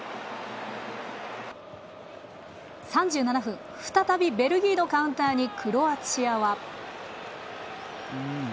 ３７分、再びベルギーのカウンターにクロアチアは。